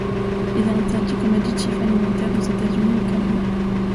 Il est interdit comme additif alimentaire aux États-Unis et au Canada.